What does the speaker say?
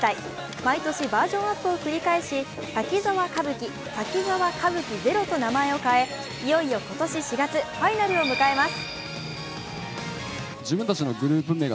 毎年バージョンアップを繰り返し「滝沢歌舞伎」、「滝沢歌舞伎ＺＥＲＯ」と名前を変え、いよいよ今年４月、ファイナルを迎えます。